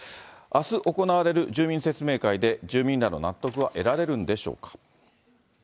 あす行われる住民説明会で住民らの納得は得られるんでしょうか。